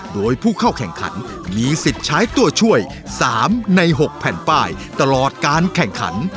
โดยผู้เข้าแข่งขันมีสิทธิ์ใช้ตัวช่วย๓ใน๖แผ่นป้ายตลอดการแข่งขัน